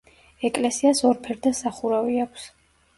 ეკლესიას ორფერდა სახურავი აქვს.